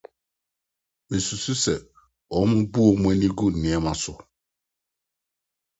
Misusuw sɛ wobu wɔn ani gu nneɛma so.